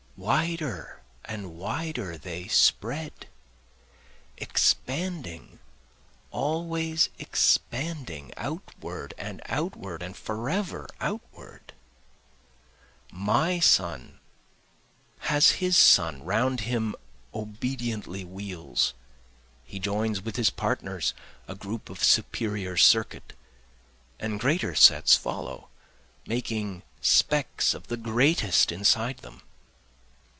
Wider and wider they spread, expanding, always expanding, Outward and outward and forever outward. My sun has his sun and round him obediently wheels, He joins with his partners a group of superior circuit, And greater sets follow, making specks of the greatest inside them.